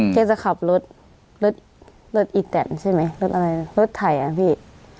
แกจะขับรถรถอีแตนใช่ไหมรถอะไรรถไถอ่ะพี่